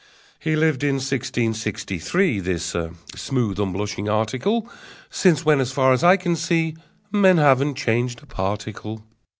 (He lived in sixteen sixty three, This smooth unblushing article, Since when, as far as I can see, Men haven't changed a particle!)